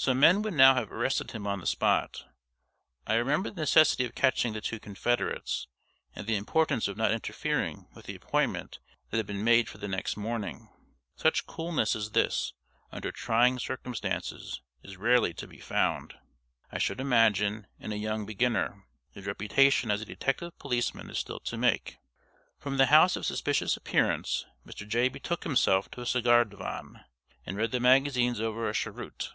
Some men would now have arrested him on the spot. I remembered the necessity of catching the two confederates, and the importance of not interfering with the appointment that had been made for the next morning. Such coolness as this, under trying circumstances, is rarely to be found, I should imagine, in a young beginner, whose reputation as a detective policeman is still to make. From the house of suspicious appearance Mr. Jay betook himself to a cigar divan, and read the magazines over a cheroot.